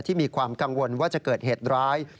มีความกังวลว่าจะเกิดเหตุร้าย